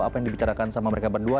apa yang dibicarakan sama mereka berdua